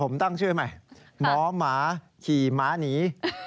ผมตั้งชื่อใหม่หมอหมาขี่หมาหนี